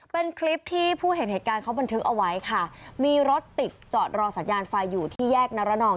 เป็นคลิปที่ผู้เห็นเหตุการณ์เขาบันทึกเอาไว้ค่ะมีรถติดจอดรอสัญญาณไฟอยู่ที่แยกนรนอง